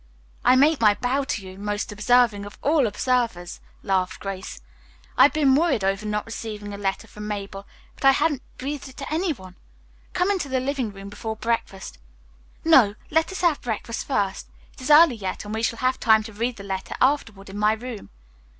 "I make my bow to you, most observing of all observers," laughed Grace. "I have been worried over not receiving a letter from Mabel, but I hadn't breathed it to any one. Come into the living room before breakfast. No; let us have breakfast first. It is early yet and we shall have time to read the letter afterward in my room.